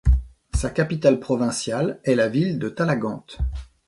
Sa capitale provinciale est la ville de Talagante.